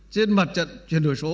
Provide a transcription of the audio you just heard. trên mặt trận chuyển đổi số